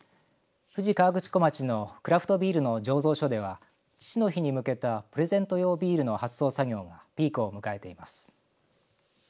富士河口湖町のクラフトビールの醸造所では父の日に向けたプレゼント用ビールの発送作業がピークを迎えています。